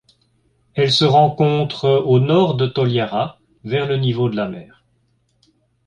Elle se rencontre au nord de Toliara vers le niveau de la mer.